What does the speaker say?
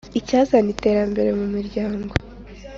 icyazana iterambere mu muryango